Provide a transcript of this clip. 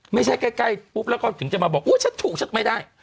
ไม่ใช่ใกล้ปุ๊บแล้วก็ถึงจะมาบอกอุ๊ยฉันถูกฉันไม่ได้